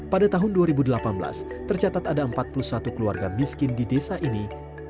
pada tahun dua ribu delapan belas tercatat ada empat puluh satu keluarga miskin di desa ini